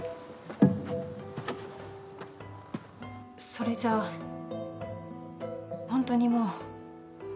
それじゃあほんとにもう。